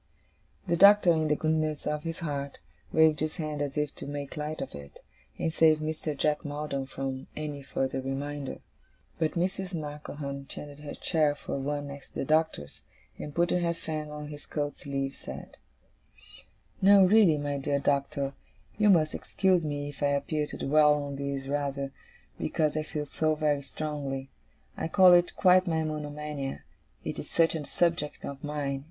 The Doctor, in the goodness of his heart, waved his hand as if to make light of it, and save Mr. Jack Maldon from any further reminder. But Mrs. Markleham changed her chair for one next the Doctor's, and putting her fan on his coat sleeve, said: 'No, really, my dear Doctor, you must excuse me if I appear to dwell on this rather, because I feel so very strongly. I call it quite my monomania, it is such a subject of mine.